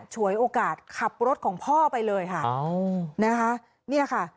ช่วยโอกาสขับรถของพ่อไปเลยค่ะอ้าวนะคะนี่แหละค่ะ